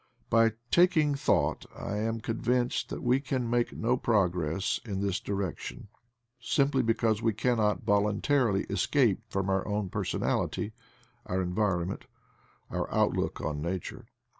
By taking thought I am convinced that we can make no progress in this direction, simply because we cannot voluntarily escape from our own per sonality, our environment, our outlook on Na ture.